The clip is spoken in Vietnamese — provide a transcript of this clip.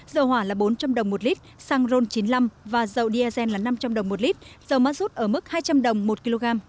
dầu hỏa là bốn trăm linh đồng một lít xăng ron chín mươi năm và dầu diazen là năm trăm linh đồng một lít dầu ma rút ở mức hai trăm linh đồng một kg